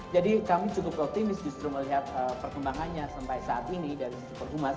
jadi kami cukup optimis justru melihat perkembangannya sampai saat ini dari superhumas